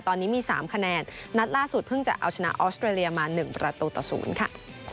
ตอนนี้มี๓คะแนนนัดล่าสุดเพิ่งจะเอาชนะออสเตรเลียมา๑ประตูต่อ๐ค่ะ